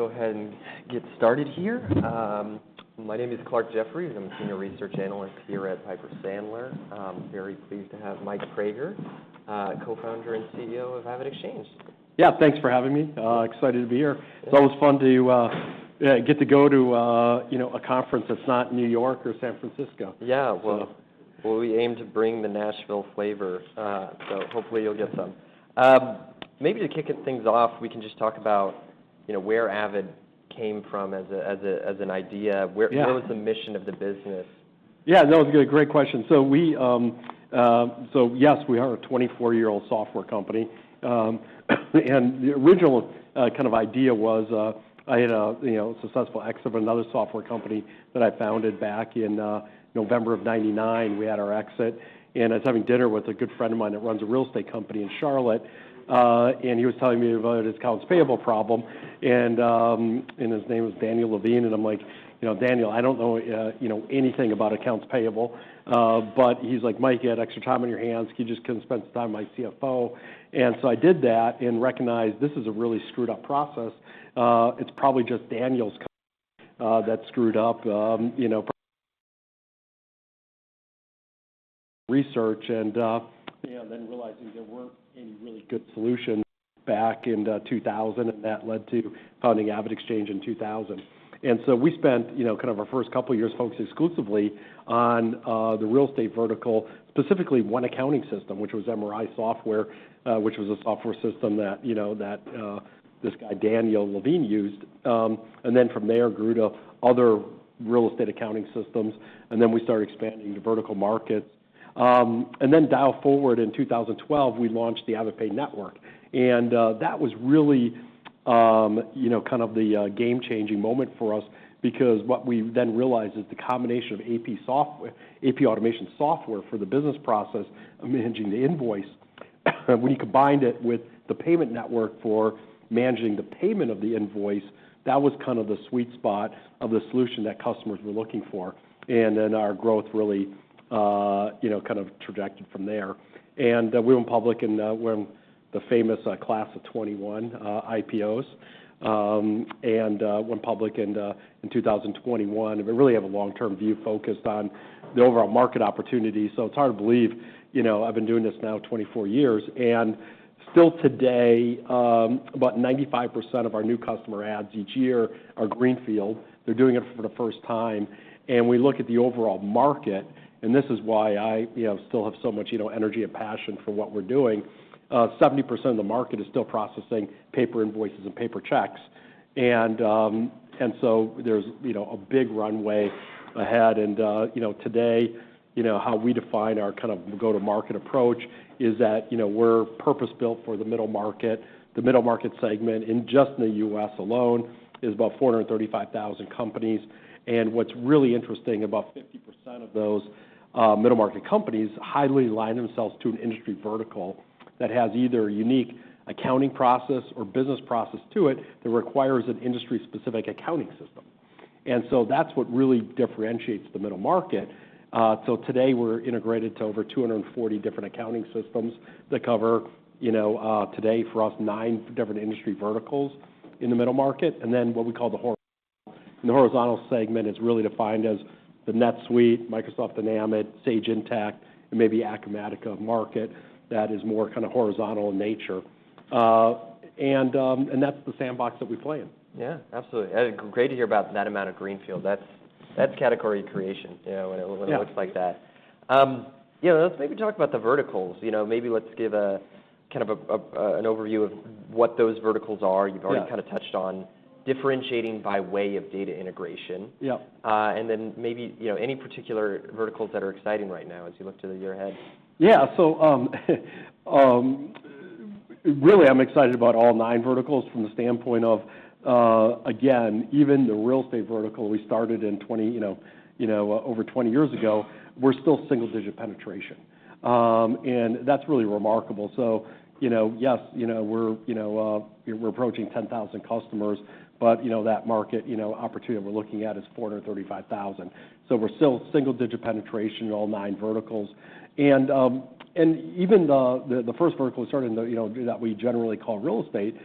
Go ahead and get started here. My name is Clarke Jeffries. I'm a Senior Research Analyst here at Piper Sandler. I'm very pleased to have Mike Praeger, Co-founder and CEO of AvidXchange. Yeah, thanks for having me. Excited to be here. It's always fun to get to go to, you know, a conference that's not New York or San Francisco. Yeah. So- We aim to bring the Nashville flavor, so hopefully you'll get some. Maybe to kick things off, we can just talk about, you know, where Avid came from as an idea. Yeah. Where was the mission of the business? Yeah, no, it's a great question. So yes, we are a twenty-four-year-old software company. And the original kind of idea was, I had a, you know, successful exit of another software company that I founded back in November of 1999, we had our exit. And I was having dinner with a good friend of mine that runs a real estate company in Charlotte. And he was telling me about his accounts payable problem, and his name was Daniel Levine. And I'm like: "You know, Daniel, I don't know, you know, anything about accounts payable." But he's like: "Mike, you had extra time on your hands. Can you just come spend some time with my CFO?" And so I did that and recognized this is a really screwed up process. It's probably just Daniel's that's screwed up, you know, research and then realizing there weren't any really good solutions back in 2000, and that led to founding AvidXchange in 2000, and so we spent, you know, kind of our 1st couple of years focused exclusively on the real estate vertical, specifically one accounting system, which was MRI Software, which was a software system that, you know, that this guy, Daniel Levine, used, and then from there, grew to other real estate accounting systems, and then we started expanding to vertical markets, and then down forward in 2012, we launched the AvidPay Network. That was really, you know, kind of the game-changing moment for us, because what we then realized is the combination of AP software, AP automation software for the business process, managing the invoice. When you combined it with the payment network for managing the payment of the invoice, that was kind of the sweet spot of the solution that customers were looking for. And then our growth really, you know, kind of trajected from there. And we went public, and we're the famous class of 2021 IPOs, and went public in 2021. And we really have a long-term view focused on the overall market opportunity. So it's hard to believe, you know, I've been doing this now 24 years, and still today, about 95% of our new customer adds each year are greenfield. They're doing it for the 1st time. And we look at the overall market, and this is why I, you know, still have so much, you know, energy and passion for what we're doing. Seventy percent of the market is still processing paper invoices and paper checks. And so there's, you know, a big runway ahead. And, you know, today, you know, how we define our kind of go-to-market approach is that, you know, we're purpose-built for the middle market. The middle market segment, in just the U.S. alone, is about 435,000 companies. What's really interesting, about 50% of those middle market companies highly align themselves to an industry vertical that has either a unique accounting process or business process to it, that requires an industry-specific accounting system. That's what really differentiates the middle market. Today, we're integrated to over 240 different accounting systems that cover, you know, today, for us, nine different industry verticals in the middle market, and then what we call the horizontal. The horizontal segment is really defined as the NetSuite, Microsoft Dynamics, Sage Intacct, and maybe Acumatica market that is more kind of horizontal in nature. That's the sandbox that we play in. Yeah, absolutely. Great to hear about that amount of greenfield. That's category creation, you know- Yeah... when it looks like that. Yeah, let's maybe talk about the verticals. You know, maybe let's give a kind of an overview of what those verticals are. Yeah. You've already kind of touched on differentiating by way of data integration. Yeah. And then maybe, you know, any particular verticals that are exciting right now as you look to the year ahead? Yeah, so really, I'm excited about all nine verticals from the standpoint of, again, even the real estate vertical we started in 20, you know, over 20 years ago. We're still single-digit penetration. And that's really remarkable, so you know, yes, we're approaching 10,000 customers, but you know, that market opportunity we're looking at is 435,000. So we're still single-digit penetration in all nine verticals. And even the 1st vertical we started in, you know, that we generally call real estate,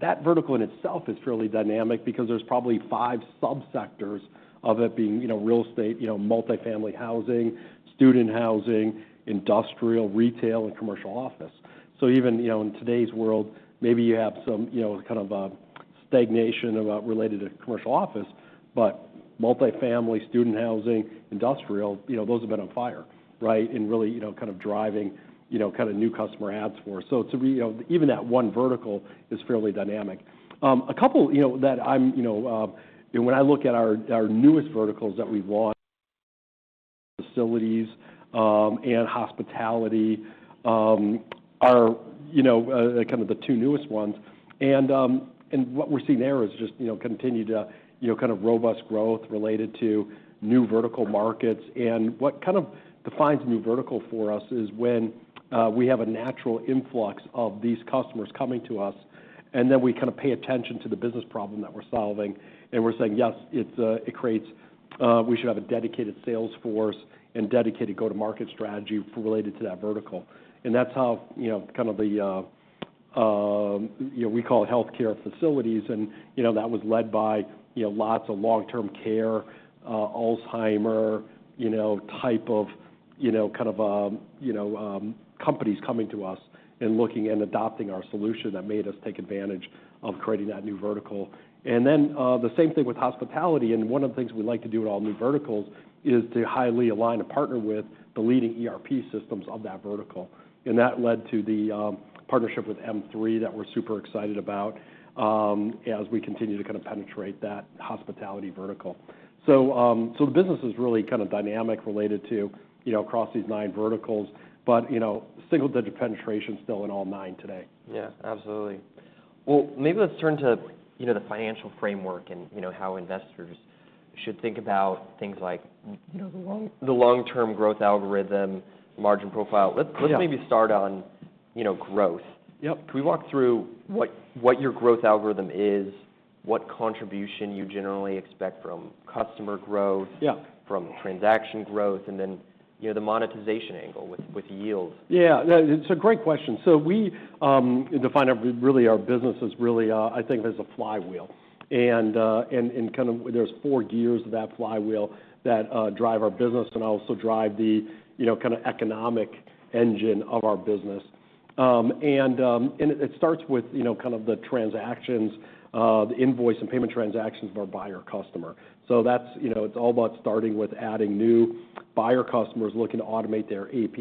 that vertical in itself is fairly dynamic because there's probably five subsectors of it being, you know, real estate, you know, multifamily housing, student housing, industrial, retail, and commercial office. So even, you know, in today's world, maybe you have some, you know, kind of a stagnation about related to commercial office, but multifamily, student housing, industrial, you know, those have been on fire, right? And really, you know, kind of driving, you know, kind of new customer adds for. So to, you know, even that one vertical is fairly dynamic. A couple, you know, that I'm, you know, when I look at our newest verticals that we've launched: facilities and hospitality are, you know, kind of the two newest ones. And what we're seeing there is just, you know, continued, you know, kind of robust growth related to new vertical markets. And what kind of defines a new vertical for us is when we have a natural influx of these customers coming to us, and then we kind of pay attention to the business problem that we're solving, and we're saying: Yes, it's it creates we should have a dedicated sales force and dedicated go-to-market strategy related to that vertical. And that's how, you know, kind of the you know, we call it healthcare facilities, and you know, that was led by you know, lots of long-term care, Alzheimer's you know, type of you know, kind of you know, companies coming to us and looking and adopting our solution that made us take advantage of creating that new vertical. And then the same thing with hospitality, and one of the things we like to do in all new verticals is to highly align and partner with the leading ERP systems of that vertical. And that led to the partnership with M3 that we're super excited about as we continue to kind of penetrate that hospitality vertical. So, so the business is really kind of dynamic related to, you know, across these nine verticals, but, you know, single-digit penetration still in all nine today. Yeah, absolutely. Well, maybe let's turn to, you know, the financial framework and, you know, how investors should think about things like, you know, the long-term growth algorithm, margin profile. Yeah. Let's maybe start on, you know, growth. Yep. Can we walk through what your growth algorithm is, what contribution you generally expect from customer growth? Yeah... from transaction growth, and then, you know, the monetization angle with yields? Yeah. No, it's a great question. So we define our really our business as really I think as a flywheel. And kind of there's four gears of that flywheel that drive our business and also drive the you know kind of economic engine of our business. And it starts with you know kind of the transactions the invoice and payment transactions of our buyer customer. So that's you know it's all about starting with adding new buyer customers looking to automate their AP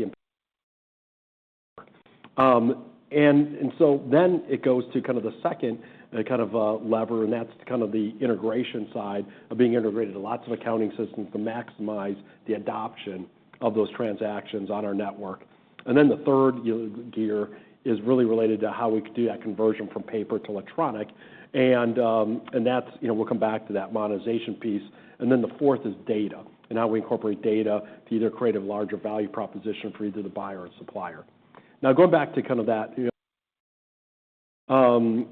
and... And so then it goes to kind of the 2nd kind of lever, and that's kind of the integration side of being integrated to lots of accounting systems to maximize the adoption of those transactions on our network. And then the 3rd gear is really related to how we could do that conversion from paper to electronic. And that's, you know, we'll come back to that monetization piece. And then the 4th is data, and how we incorporate data to either create a larger value proposition for either the buyer or supplier. Now, going back to kind of that,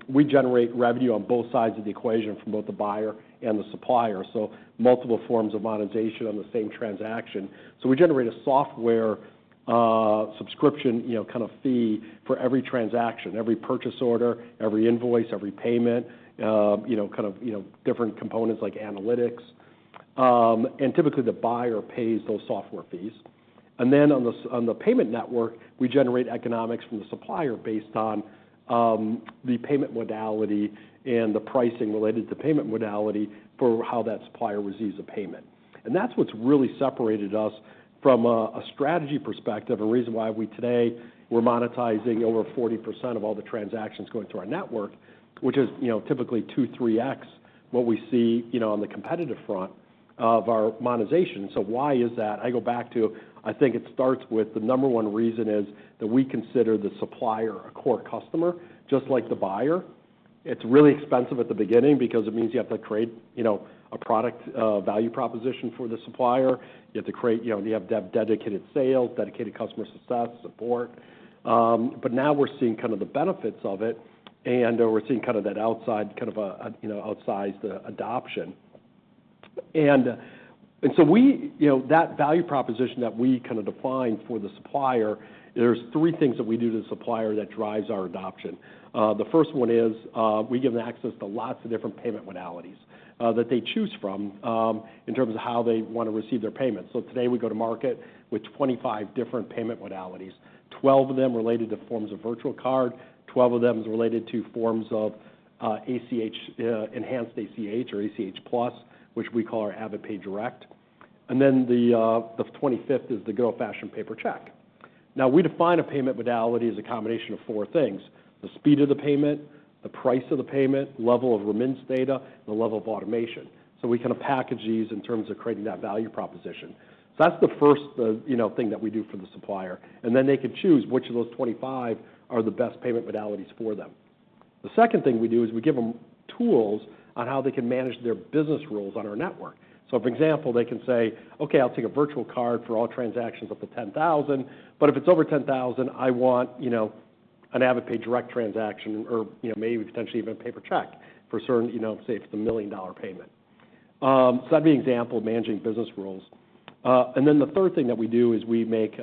we generate revenue on both sides of the equation from both the buyer and the supplier, so multiple forms of monetization on the same transaction. So we generate a software subscription, you know, kind of fee for every transaction, every purchase order, every invoice, every payment, different components like analytics. And typically, the buyer pays those software fees. And then on the payment network, we generate economics from the supplier based on the payment modality and the pricing related to payment modality for how that supplier receives a payment. And that's what's really separated us from a strategy perspective, a reason why we today, we're monetizing over 40% of all the transactions going through our network, which is, you know, typically two, three X what we see, you know, on the competitive front of our monetization. So why is that? I go back to, I think it starts with the number one reason is that we consider the supplier a core customer, just like the buyer. It's really expensive at the beginning because it means you have to create, you know, a product value proposition for the supplier. You have to create, you know, you have to have dedicated sales, dedicated customer success, support. But now we're seeing kind of the benefits of it, and we're seeing kind of an outsized adoption. And so we... You know, that value proposition that we kind of define for the supplier, there's three things that we do to the supplier that drives our adoption. The 1st one is, we give them access to lots of different payment modalities, that they choose from, in terms of how they want to receive their payments. So today, we go to market with 25 different payment modalities, 12 of them related to forms of virtual card, 12 of them is related to forms of ACH, enhanced ACH or ACH Plus, which we call our AvidPay Direct. And then the 25th is the good old-fashioned paper check. Now, we define a payment modality as a combination of four things: the speed of the payment, the price of the payment, level of remittance data, and the level of automation. So we kind of package these in terms of creating that value proposition. So that's the 1st, you know, thing that we do for the supplier, and then they can choose which of those twenty-five are the best payment modalities for them. The 2nd thing we do is we give them tools on how they can manage their business rules on our network. So for example, they can say, "Okay, I'll take a virtual card for all transactions up to 10,000, but if it's over 10,000, I want, you know, an AvidPay Direct transaction, or, you know, maybe potentially even a paper check for certain, you know, say, it's a $1 million-dollar payment." So that'd be an example of managing business rules. And then the third thing that we do is we make,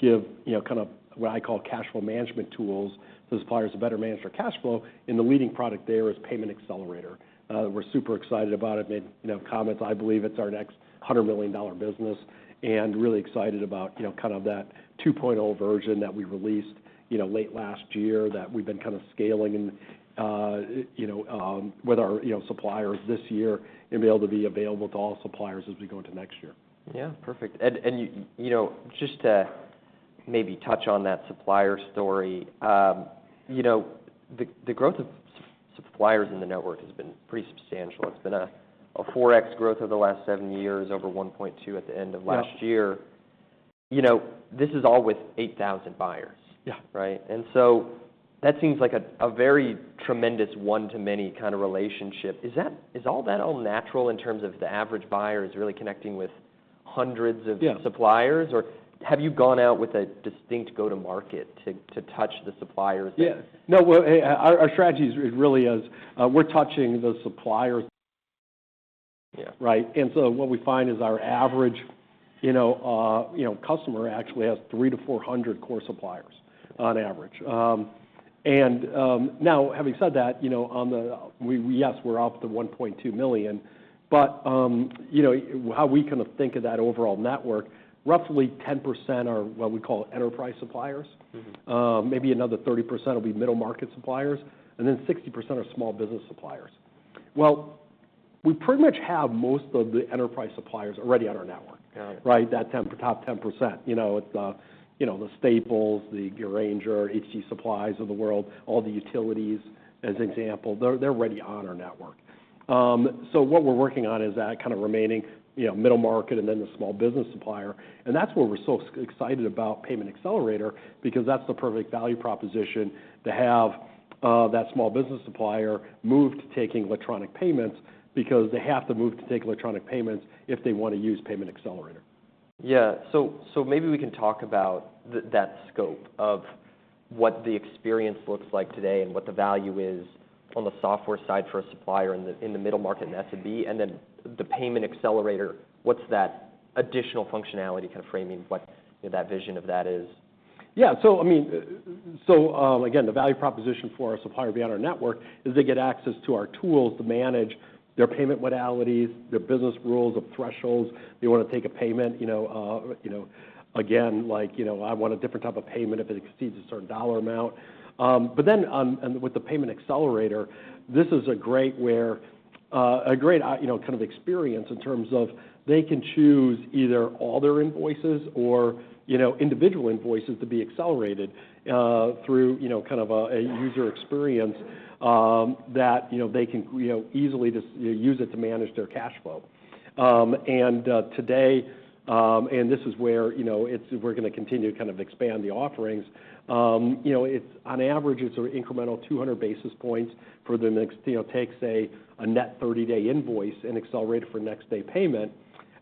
give, you know, kind of what I call cash flow management tools, so the suppliers are better managed for cash flow, and the leading product there is Payment Accelerator. We're super excited about it. Made, you know, comments. I believe it's our next $100 million business, and really excited about, you know, kind of that 2.0 version that we released, you know, late last year, that we've been kind of scaling and, you know, with our, you know, suppliers this year and be able to be available to all suppliers as we go into next year. Yeah, perfect. And you know, just to maybe touch on that supplier story, you know, the growth of suppliers in the network has been pretty substantial. It's been a four X growth over the last seven years, over one point two at the end of last year. Yeah. You know, this is all with 8,000 buyers. Yeah. Right? And so that seems like a very tremendous one-to-many kind of relationship. Is that all natural in terms of the average buyer is really connecting with hundreds of- Yeah... suppliers? Or have you gone out with a distinct go-to-market to touch the suppliers? Yeah. No, well, our strategy is, really is, we're touching those suppliers. Right. And so what we find is our average, you know, customer actually has 300 to 400 core suppliers on average. And now, having said that, you know, yes, we're up to 1.2 million, but, you know, how we kind of think of that overall network, roughly 10% are what we call enterprise suppliers. Mm-hmm. Maybe another 30% will be middle-market suppliers, and then 60% are small business suppliers. We pretty much have most of the enterprise suppliers already on our network. Got it. Right? That 10, top 10%. You know, it's, you know, the Staples, the Grainger, HD Supply of the world, all the utilities, as example. They're, they're already on our network. So what we're working on is that kind of remaining, you know, middle market, and then the small business supplier, and that's where we're so excited about Payment Accelerator, because that's the perfect value proposition to have, that small business supplier move to taking electronic payments, because they have to move to take electronic payments if they want to use Payment Accelerator. Yeah. So maybe we can talk about that scope of what the experience looks like today and what the value is on the software side for a supplier in the middle market and SMB, and then the Payment Accelerator, what's that additional functionality, kind of framing what, you know, that vision of that is? Yeah. So I mean, so, again, the value proposition for our supplier beyond our network is they get access to our tools to manage their payment modalities, their business rules of thresholds. They want to take a payment, you know, you know, again, like, you know, I want a different type of payment if it exceeds a certain dollar amount. But then, and with the Payment Accelerator, this is a great where, a great you know, kind of experience in terms of they can choose either all their invoices or, you know, individual invoices to be accelerated, through, you know, kind of a user experience, that, you know, they can, you know, easily just, you know, use it to manage their cash flow. And today, and this is where, you know, it's. We're going to continue to kind of expand the offerings. You know, it's on average, it's an incremental 200 basis points for the next. You know, take, say, a net 30-day invoice and accelerate it for next day payment,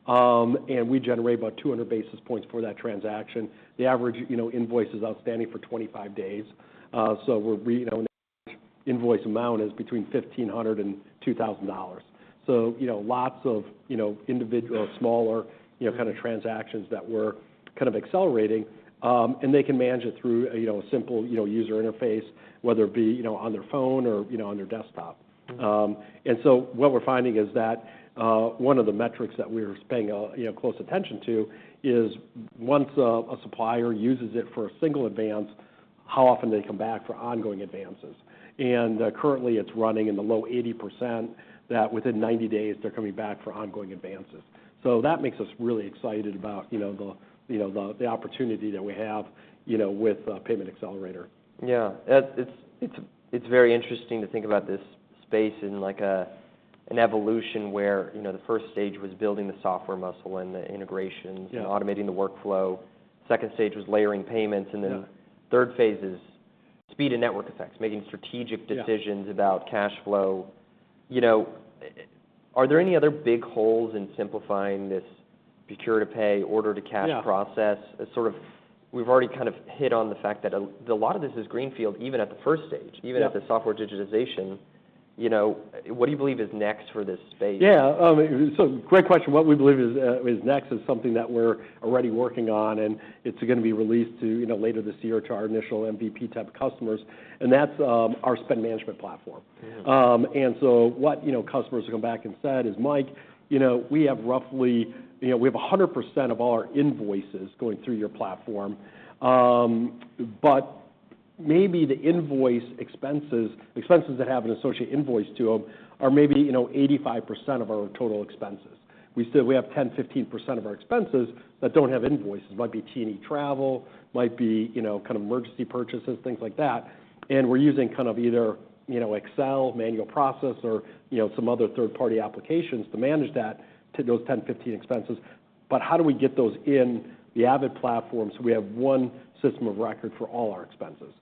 and we generate about 200 basis points for that transaction. The average, you know, invoice is outstanding for 25 days. So we're, you know, invoice amount is between $1,500 and $2,000. So, you know, lots of, you know, individual, smaller, you know, kind of transactions that we're kind of accelerating, and they can manage it through, you know, a simple, you know, user interface, whether it be, you know, on their phone or, you know, on their desktop. And so what we're finding is that, one of the metrics that we're paying, you know, close attention to is once a supplier uses it for a single advance, how often they come back for ongoing advances. And currently, it's running in the low 80% that within 90 days, they're coming back for ongoing advances. So that makes us really excited about, you know, the opportunity that we have, you know, with Payment Accelerator. Yeah, it's very interesting to think about this space in, like, an evolution where, you know, the 1st stage was building the software muscle and the integration- Yeah... automating the workflow. 2nd stage was layering payments- Yeah... and then the 3rd phase is speed and network effects, making strategic- Yeah... decisions about cash flow. You know, are there any other big holes in simplifying this procure-to-pay, order-to-cash- Yeah... process? It's sort of we've already kind of hit on the fact that a lot of this is greenfield, even at the 1st stage- Yeah... even at the software digitization. You know, what do you believe is next for this space? Yeah, so great question. What we believe is next is something that we're already working on, and it's going to be released to, you know, later this year to our initial MVP-type customers, and that's our spend management platform. Yeah. And so what, you know, customers have come back and said is, "Mike, you know, we have roughly. You know, we have 100% of all our invoices going through your platform, but maybe the invoice expenses that have an associated invoice to them are maybe, you know, 85% of our total expenses. We have 10-15% of our expenses that don't have invoices. Might be T&E travel, might be, you know, kind of emergency purchases, things like that, and we're using kind of either, you know, Excel, manual process, or, you know, some other third-party applications to manage that, to those 10-15 expenses. But how do we get those in the AvidXchange platform, so we have one system of record for all our expenses?"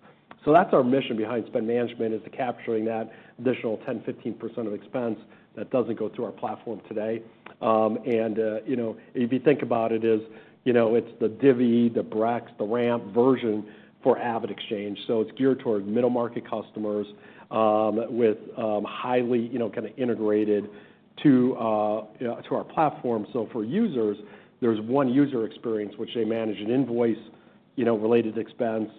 So that's our mission behind spend management, is to capturing that additional 10%-15% of expense that doesn't go through our platform today. And you know, if you think about it, it's the Divvy, the Brex, the Ramp version for AvidXchange. So it's geared towards middle-market customers with highly you know kind of integrated to our platform. So for users, there's one user experience, which they manage an invoice you know related expense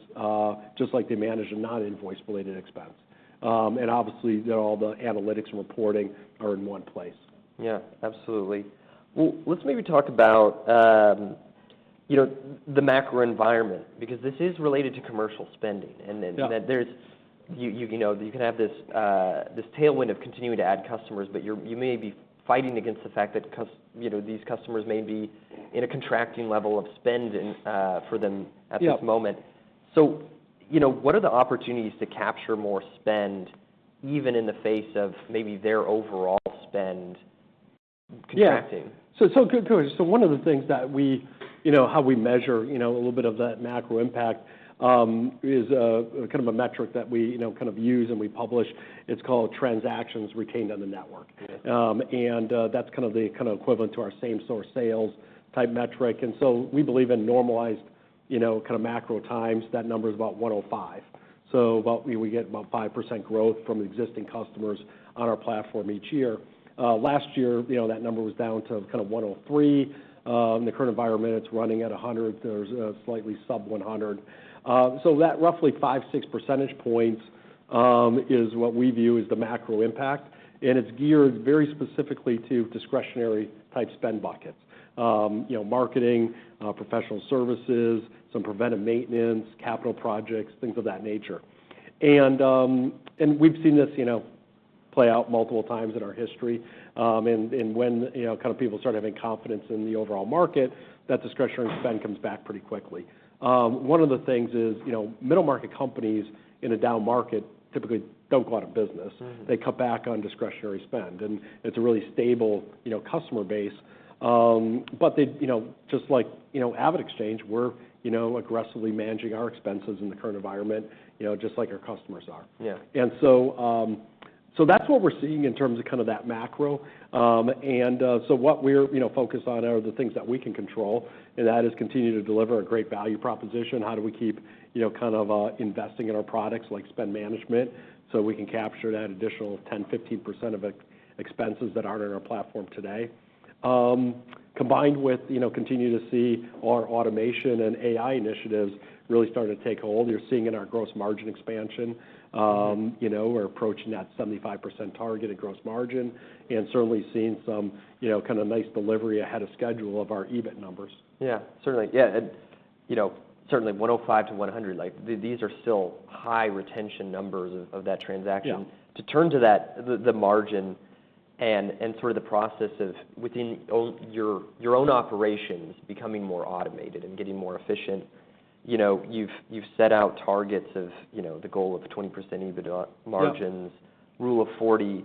just like they manage a non-invoice related expense. And obviously, all the analytics and reporting are in one place. Yeah, absolutely. Well, let's maybe talk about, you know, the macro environment, because this is related to commercial spending, and then- Yeah... there's, you know, you can have this tailwind of continuing to add customers, but you may be fighting against the fact that, you know, these customers may be in a contracting level of spend and, for them- Yeah... at this moment. So, you know, what are the opportunities to capture more spend, even in the face of maybe their overall spend contracting? Yeah. So good. So one of the things that we, you know, how we measure, you know, a little bit of that macro impact is kind of a metric that we, you know, kind of use and we publish. It's called Transactions Retained on the Network. Mm-hmm. That's kind of the equivalent to our same source sales type metric, and so we believe in normalized, you know, kind of macro times, that number is about 105, so about we get about 5% growth from existing customers on our platform each year. Last year, you know, that number was down to kind of 103. In the current environment, it's running at 100. There's slightly sub 100, so that roughly 5-6 percentage points is what we view as the macro impact, and it's geared very specifically to discretionary-type spend buckets. You know, marketing, professional services, some preventive maintenance, capital projects, things of that nature, and we've seen this, you know, play out multiple times in our history. When, you know, kind of people start having confidence in the overall market, that discretionary spend comes back pretty quickly. One of the things is, you know, middle market companies in a down market typically don't go out of business. Mm-hmm. They cut back on discretionary spend, and it's a really stable, you know, customer base, but they, you know, just like, you know, AvidXchange, we're, you know, aggressively managing our expenses in the current environment, you know, just like our customers are. Yeah. And so that's what we're seeing in terms of kind of that macro. What we're, you know, focused on are the things that we can control, and that is continuing to deliver a great value proposition. How do we keep, you know, kind of investing in our products, like spend management, so we can capture that additional 10%-15% of expenses that aren't in our platform today? Combined with, you know, continuing to see our automation and AI initiatives really starting to take hold. You're seeing in our gross margin expansion. You know, we're approaching that 75% target of gross margin, and certainly seeing some, you know, kind of nice delivery ahead of schedule of our EBIT numbers. Yeah, certainly. Yeah, and, you know, certainly 105 to 100, like, these are still high retention numbers of that transaction. Yeah. To turn to that, the margin and through the process of within your own operations becoming more automated and getting more efficient, you know, you've set out targets of, you know, the goal of 20% EBIT margins- Yeah. Rule of 40.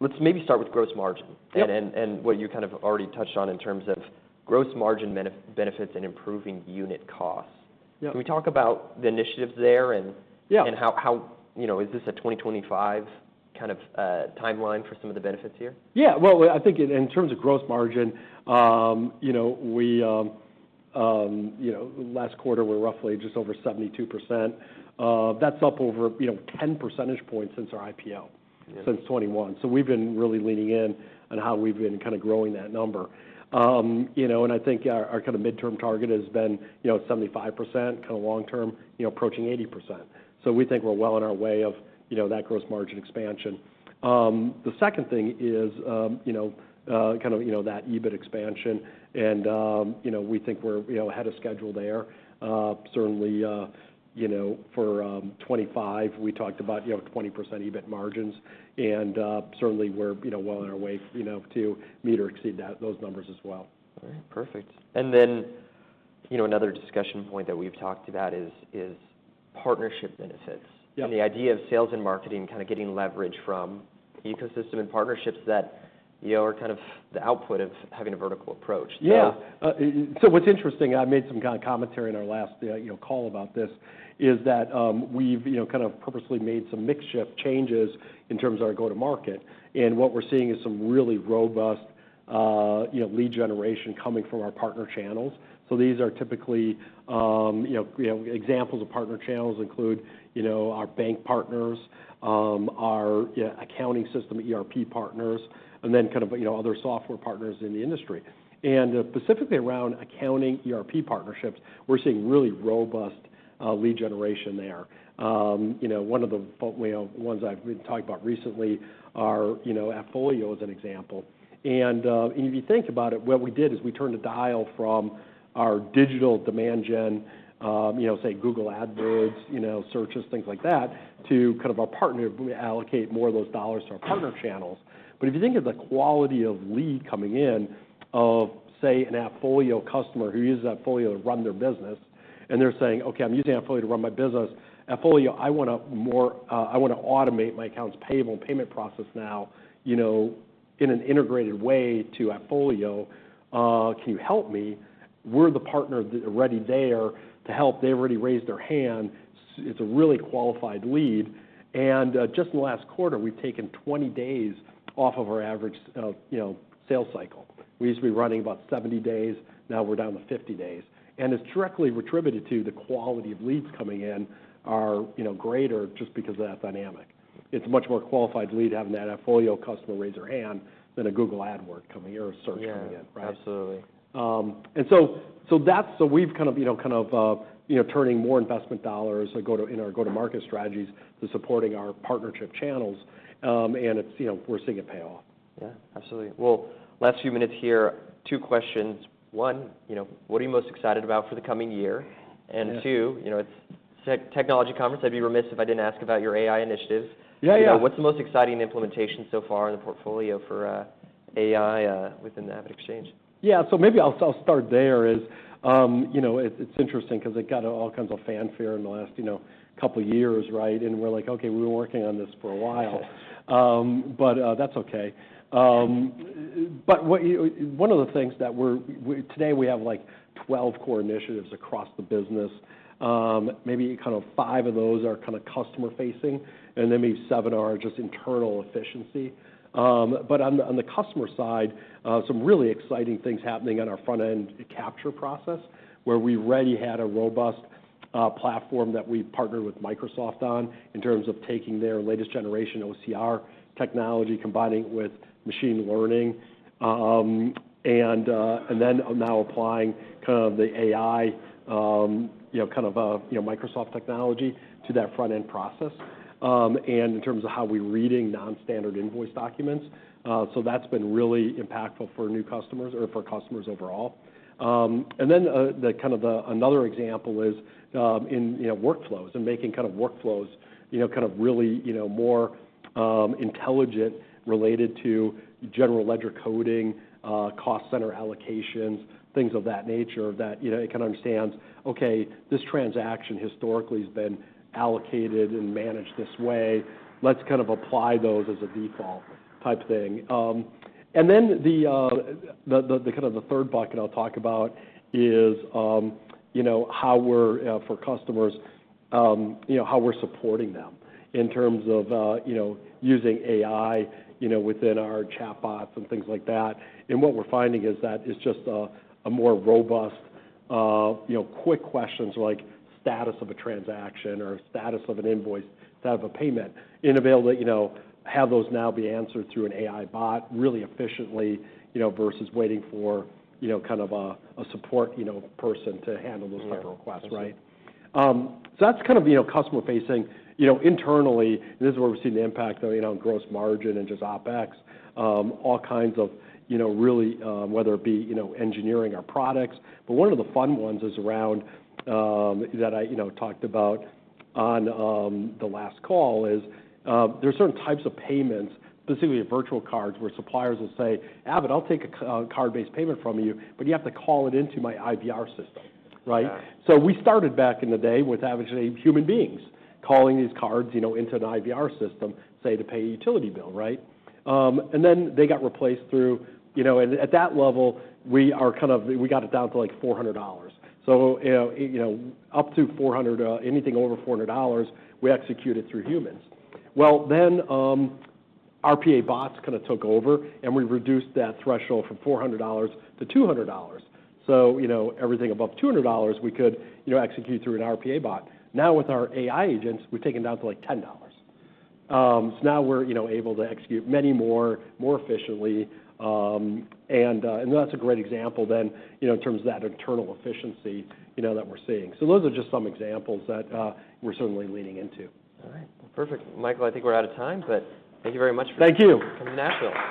Let's maybe start with gross margin- Yeah... and what you kind of already touched on in terms of gross margin benefits and improving unit costs. Yeah. Can we talk about the initiatives there, and- Yeah and how, you know, is this a twenty twenty-five kind of timeline for some of the benefits here? Yeah. Well, I think in terms of gross margin, you know, we, you know, last quarter, we're roughly just over 72%. That's up over, you know, 10 percentage points since our IPO- Yeah... s90ince 2021. We've been really leaning in on how we've been kind of growing that number. You know, and I think our midterm target has been, you know, 75%, kind of long term, you know, approaching 80%. So we think we're well on our way of, you know, that gross margin expansion. The 2nd thing is, you know, that EBIT expansion, and, you know, we think we're, you know, ahead of schedule there. Certainly, you know, for 2025, we talked about, you know, 20% EBIT margins, and, certainly we're, you know, well on our way, you know, to meet or exceed those numbers as well. All right, perfect. And then, you know, another discussion point that we've talked about is partnership benefits- Yeah and the idea of sales and marketing kind of getting leverage from ecosystem and partnerships that, you know, are kind of the output of having a vertical approach. Yeah. So what's interesting, I made some kind of commentary in our last, you know, call about this, is that, we've, you know, kind of purposely made some mixed shift changes in terms of our go-to-market. And what we're seeing is some really robust, you know, lead generation coming from our partner channels. So these are typically, you know, examples of partner channels include, you know, our bank partners, our accounting system, ERP partners, and then kind of, you know, other software partners in the industry. And specifically around accounting, ERP partnerships, we're seeing really robust, lead generation there. You know, one of the, well, you know, ones I've talked about recently are, you know, AppFolio, as an example. If you think about it, what we did is we turned a dial from our digital demand gen, you know, say, Google AdWords, you know, searches, things like that, to kind of our partner, allocate more of those dollars to our partner channels. But if you think of the quality of lead coming in, of, say, an AppFolio customer who uses AppFolio to run their business, and they're saying: "Okay, I'm using AppFolio to run my business. AppFolio, I want to more... I want to automate my accounts payable and payment process now, you know, in an integrated way to AppFolio, can you help me?" We're the partner already there to help. They've already raised their hand. It's a really qualified lead, and, just last quarter, we've taken 20 days off of our average, you know, sales cycle. We used to be running about seventy days, now we're down to fifty days. And it's directly attributed to the quality of leads coming in are, you know, greater just because of that dynamic. It's a much more qualified lead having that AppFolio customer raise their hand than a Google AdWords coming in or a search coming in. Yeah, absolutely. We've kind of, you know, turning more investment dollars in our go-to-market strategies to supporting our partnership channels, and it's, you know, we're seeing it pay off. Yeah, absolutely. Well, last few minutes here, two questions. One, you know, what are you most excited about for the coming year? Yeah. Two, you know, it's technology conference. I'd be remiss if I didn't ask about your AI initiatives. Yeah, yeah. What's the most exciting implementation so far in the portfolio for AI within the AvidXchange? Yeah. So maybe I'll start there. You know, it's interesting because it got all kinds of fanfare in the last couple of years, right? And we're like: "Okay, we've been working on this for a while." But that's okay. But what you one of the things that we're we today, we have, like, 12 core initiatives across the business. Maybe kind of 5 of those are kind of customer-facing, and then maybe 7 are just internal efficiency. But on the customer side, some really exciting things happening on our front-end capture process, where we already had a robust platform that we partnered with Microsoft on in terms of taking their latest generation OCR technology, combining it with machine learning. And then now applying kind of the AI, you know, kind of, you know, Microsoft technology to that front-end process. And in terms of how we're reading non-standard invoice documents, so that's been really impactful for new customers or for customers overall. And then the kind of another example is in you know workflows and making kind of workflows, you know, kind of really, you know, more intelligent related to general ledger coding, cost center allocations, things of that nature, that you know it can understand, okay, this transaction historically has been allocated and managed this way. Let's kind of apply those as a default type thing. And then the kind of the third bucket I'll talk about is, you know, how we're supporting them in terms of, you know, using AI, you know, within our chatbots and things like that. And what we're finding is that it's just a more robust, you know, quick questions like status of a transaction or status of an invoice, status of a payment, and available, you know, have those now be answered through an AI bot really efficiently, you know, versus waiting for, you know, kind of a support, you know, person to handle those type of requests, right? So that's kind of, you know, customer-facing. You know, internally, this is where we're seeing the impact on, you know, gross margin and just OpEx, all kinds of, you know, really, whether it be, you know, engineering our products. But one of the fun ones is around, that I, you know, talked about on, the last call, is, there are certain types of payments, specifically virtual cards, where suppliers will say, "Avid, I'll take a card-based payment from you, but you have to call it into my IVR system," right? Yeah. So we started back in the day with having, say, human beings calling these cards, you know, into an IVR system, say, to pay a utility bill, right? And then they got replaced through you know, and at that level, we are kind of, we got it down to, like, $400. So you know, up to $400, anything over $400, we executed through humans. Well, then, RPA bots kind of took over, and we reduced that threshold from $400 to $200. So, you know, everything above $200, we could, you know, execute through an RPA bot. Now, with our AI agents, we've taken it down to, like, $10. So now we're, you know, able to execute many more efficiently, and that's a great example then, you know, in terms of that internal efficiency, you know, that we're seeing. So those are just some examples that we're certainly leaning into. All right. Perfect. Michael, I think we're out of time, but thank you very much. Thank you! -from Nashville.